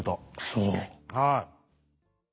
はい。